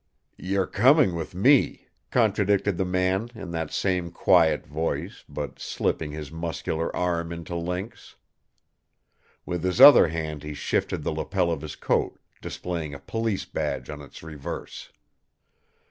"You're coming with me," contradicted the man in that same quiet voice, but slipping his muscular arm into Link's. With his other hand he shifted the lapel of his coat, displaying a police badge on its reverse.